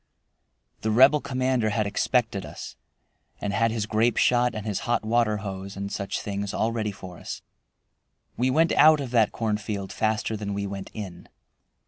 The Rebel commander had expected us, and had his grape shot and his hot water hose, and such things all ready for us. We went out of that cornfield faster than we went in.